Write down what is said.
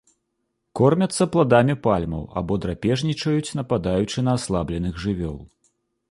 Кормяцца пладамі пальмаў або драпежнічаюць, нападаючы на аслабленых жывёл.